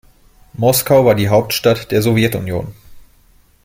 Moskau war die Hauptstadt der Sowjetunion.